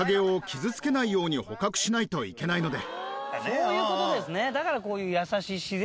そういう事ですね。